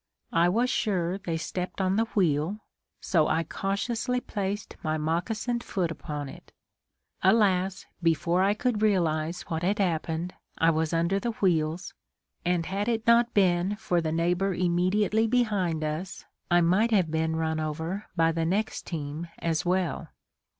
I was sure they stepped on the wheel, so I cautiously placed my moccasined foot upon it. Alas, before I could realize what had happened, I was under the wheels, and had it not been for the neighbor immediately behind us, I might have been run over by the next team as well.